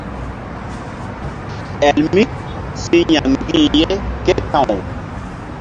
Elmi si ya̧ mgbi̧h ye ké ta̧w.